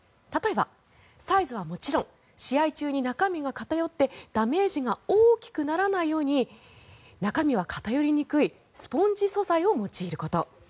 例えば、サイズはもちろん試合中に中身が偏ってダメージが大きくならないように中身は偏りにくいスポンジ素材を用いること。